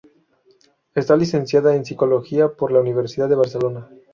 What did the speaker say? Está licenciada en Psicología por la Universidad de Barcelona.